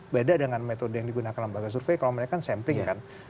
beda dengan metode yang digunakan lembaga survei kalau mereka sampling kan